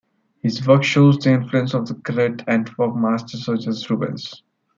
His work shows the influence of the great Antwerp masters such as Rubens.